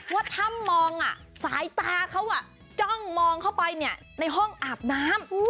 ว่าถ้ำมองสายตาเขาจ้องมองเข้าไปในห้องอาบน้ำ